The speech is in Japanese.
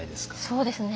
そうですね。